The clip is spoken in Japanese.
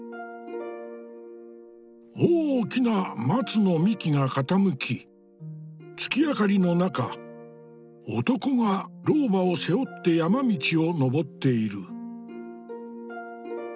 大きな松の幹が傾き月明かりの中男が老婆を背負って山道を登っている。